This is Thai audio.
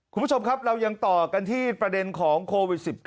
คุณผู้ชมครับเรายังต่อกันที่ประเด็นของโควิด๑๙